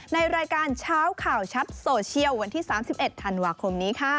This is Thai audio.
ในรายการเช้าข่าวชัดโซเชียลวันที่๓๑ธันวาคมนี้ค่ะ